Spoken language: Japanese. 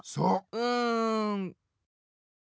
うん。